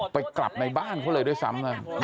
ไปกลับในบ้านเขาเลยด้วยซ้ำกัน